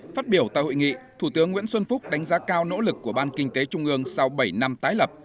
phát biểu tại hội nghị thủ tướng nguyễn xuân phúc đánh giá cao nỗ lực của ban kinh tế trung ương sau bảy năm tái lập